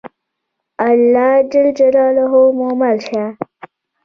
الله ج مو مل شه.